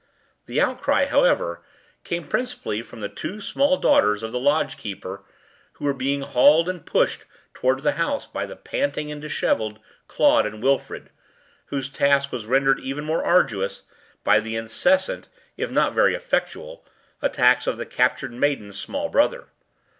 The outcry, however, came principally from the two small daughters of the lodge keeper, who were being hauled and pushed towards the house by the panting and dishevelled Claude and Wilfrid, whose task was rendered even more arduous by the incessant, if not very effectual, attacks of the captured maidens’ small brother.